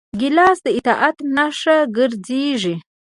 ګیلاس د اطاعت نښه ګرځېږي.